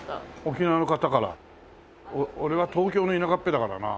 俺は東京の田舎っぺだからな。